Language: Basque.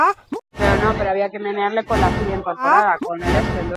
Agintariak kezkatuta daude bileraren testuinguruarekin.